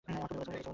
এমনটা ওনি বলেছে।